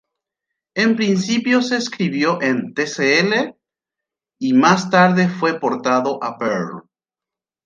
En principio se escribió en Tcl, y más tarde fue portado a Perl.